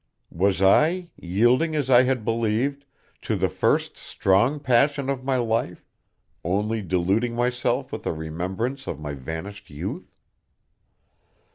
Was I, yielding, as I had believed, to the first strong passion of my life, only deluding myself with a remembrance of my vanished youth?